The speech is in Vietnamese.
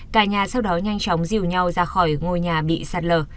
cả nhà sau đó nhanh chóng dìu nhau ra khỏi ngôi nhà bị sạt lở